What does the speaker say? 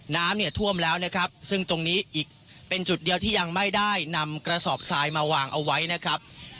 น้ำเนี่ยท่วมแล้วนะครับซึ่งตรงนี้อีกเป็นจุดเดียวที่ยังไม่ได้นำกระสอบทรายมาวางเอาไว้นะครับ